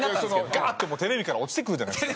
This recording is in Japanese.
ガーッてもうテレビから落ちてくるじゃないですか。